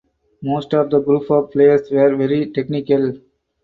Most of that group of players were very technical.